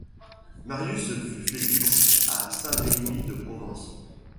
Marius Girard fut félibre de Saint-Rémy-de-Provence.